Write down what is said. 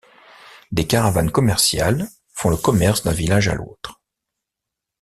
Des caravanes commerciales font le commerce d'un village à l'autre.